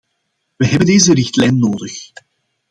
We hebben deze richtlijn nodig.